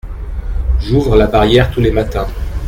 J’ouvre la barrière tous les matins.